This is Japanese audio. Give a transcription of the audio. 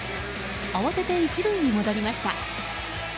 慌てて１塁に戻りました。